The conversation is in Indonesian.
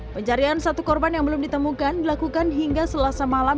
pencarian satu korban yang belum ditemukan dilakukan hingga selasa malam